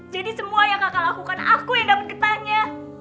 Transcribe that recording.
jadi semua yang kakak lakukan aku yang dapat ketanya